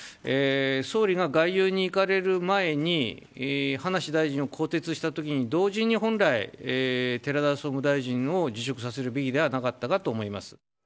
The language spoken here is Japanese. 総理が外遊に行かれる前に、葉梨大臣を更迭したときに、同時に本来、寺田総務大臣を辞職させるべきではなかったかと思います。